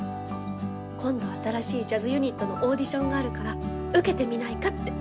今度新しいジャズユニットのオーディションがあるから受けてみないかって。